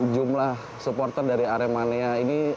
jumlah supporter dari aremania ini